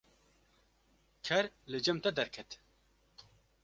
ker li cem te derket.